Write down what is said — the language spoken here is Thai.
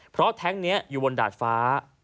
เพราะแท็งค์นี้อยู่บนดาดฟ้า